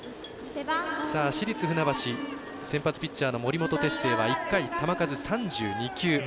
私立船橋、先発ピッチャーの森本哲星は１回、球数３２球。